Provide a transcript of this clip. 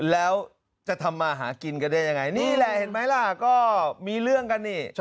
แล้วจะทำมาหากินกันได้ยังไงนี่แหละเห็นไหมล่ะก็มีเรื่องกันนี่